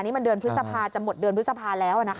นี่มันเดือนพฤษภาจะหมดเดือนพฤษภาแล้ว